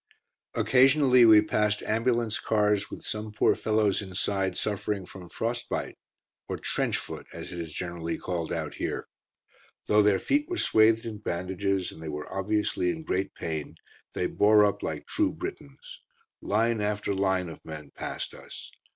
Occasionally we passed ambulance cars, with some poor fellows inside suffering from frost bite, or "trench foot" as it is generally called out here. Though their feet were swathed in bandages, and they were obviously in great pain, they bore up like true Britons. Line after line of men passed us.